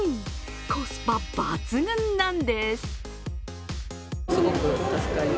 コスパ抜群なんです。